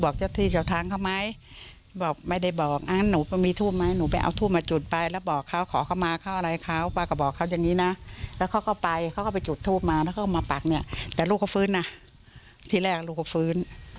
เขาก็ไปจุดทูปมาแล้วเขาก็มาปักเนี่ยแต่ลูกเขาฟื้นนะที่แรกลูกเขาฟื้น